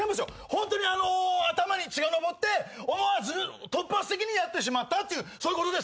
ホントに頭に血が上って思わず突発的にやってしまったというそういうことですから。